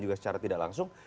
juga secara tidak langsung